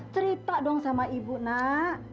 cerita dong sama ibu nak